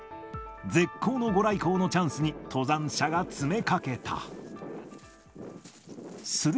絶好の御来光のチャンスに、登山者が詰めかけた。